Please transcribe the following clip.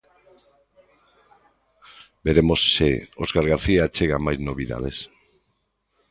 Veremos se Óscar García achega máis novidades.